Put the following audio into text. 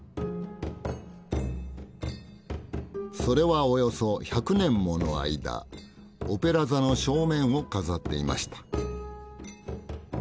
それはおよそ１００年もの間オペラ座の正面を飾っていました。